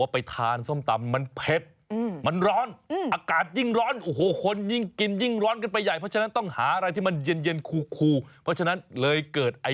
ปกติเขาต้องหันออกด้านนอกอาคารนะคะ